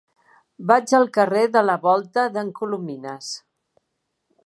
Vaig al carrer de la Volta d'en Colomines.